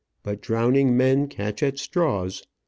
But drowning men catch at straws.